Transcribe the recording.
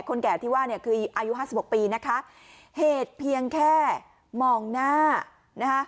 แก่ที่ว่าเนี่ยคืออายุห้าสิบหกปีนะคะเหตุเพียงแค่มองหน้านะคะ